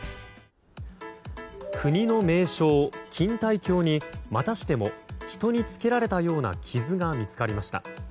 国の名勝・錦帯橋にまたしても人につけられたような傷が見つかりました。